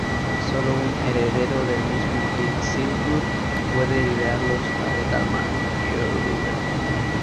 Solo un heredero del mismo Isildur puede liberarlos de tal maldición.